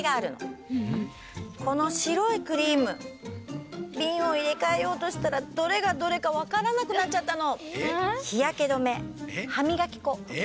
このしろいクリームビンをいれかえようとしたらどれがどれかわからなくなっちゃったの。